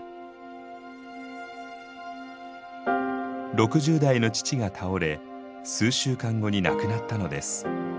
６０代の父が倒れ数週間後に亡くなったのです。